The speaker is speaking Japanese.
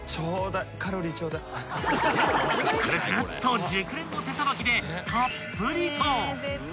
［くるくるっと熟練の手さばきでたっぷりと］